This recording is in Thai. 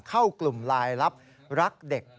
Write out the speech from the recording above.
เข้ากลุ่มลายลับรักเด็ก